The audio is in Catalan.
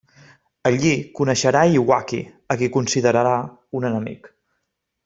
Allí coneixerà Iwaki a qui considerarà un enemic.